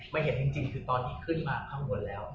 ไม่เห็นจริงจริงตอนที่ขึ้นมาข้างบนแล้ว